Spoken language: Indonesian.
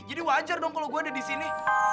wajar dong kalau gue ada di sini